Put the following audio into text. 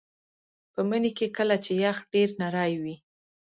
په مني کې کله چې یخ ډیر نری وي